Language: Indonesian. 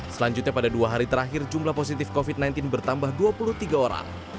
selanjutnya pada dua hari terakhir jumlah positif covid sembilan belas bertambah dua puluh tiga orang